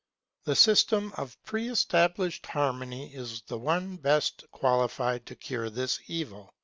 The System of Pre established Harmony is the one best qualified to cure this evil.